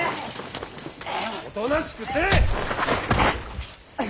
おとなしくせい！